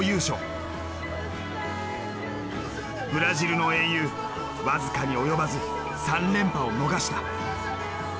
ブラジルの英雄僅かに及ばず３連覇を逃した。